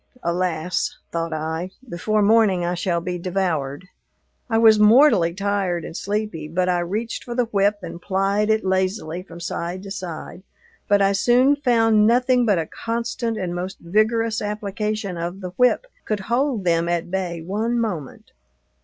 Alas! thought I, before morning I shall be devoured. I was mortally tired and sleepy, but I reached for the whip and plied it lazily from side to side; but I soon found nothing but a constant and most vigorous application of the whip could hold them at bay one moment.